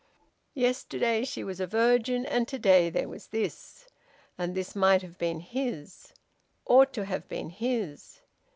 Yesterday she was a virgin, and to day there was this! And this might have been his, ought to have been his!